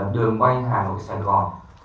đường bay hà nội san con